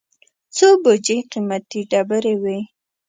څو بوجۍ قېمتي ډبرې وې.